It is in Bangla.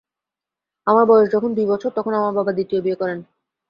আমার বয়স যখন দুই বছর, তখন আমার বাবা দ্বিতীয় বিয়ে করেন।